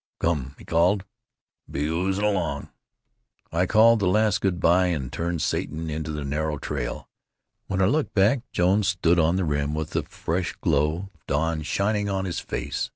"Come," he called, "be oozin' along." I spoke the last good by and turned Satan into the narrow trail. When I looked back Jones stood on the rim with the fresh glow of dawn shining on his face.